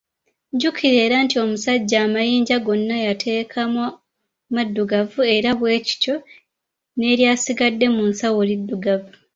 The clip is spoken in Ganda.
Jjukira era nti omusajja amayinja gonna yateekamu maddugavu era bwe kityo n’eryasigadde mu nsawo liddugavu.